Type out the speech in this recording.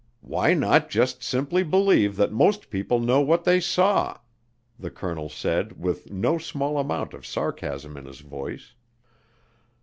"Why not just simply believe that most people know what they saw?" the colonel said with no small amount of sarcasm in his voice.